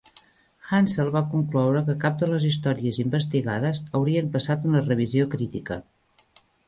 Hansel va concloure que cap de les històries investigades haurien passat una revisió crítica.